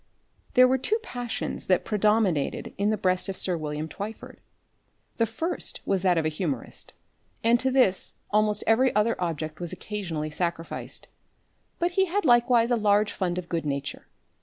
There were two passions that predominated in the breast of sir William Twyford. The first was that of a humourist, and to this almost every other object was occasionally sacrificed. But he had likewise a large fund of good nature.